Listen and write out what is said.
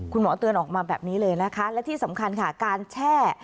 คุณหมอเตือนออกมาแบบนี้เลยนะคะและที่สำคัญค่ะการแช่